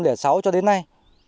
dự kiến công trình đê hà nam